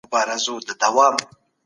خپل ورېښتان په وخت سره ږمنځ کړئ.